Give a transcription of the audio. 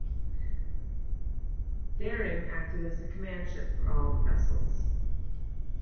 "Daring" acted as the command ship for all the vessels.